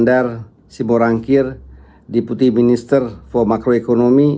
sistem uang sebagai utama dari ekonomi